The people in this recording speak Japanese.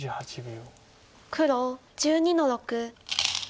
黒１２の六。